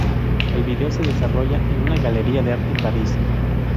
El video se desarrolla en una galería de arte en París.